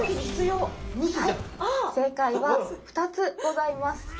正解は２つございます。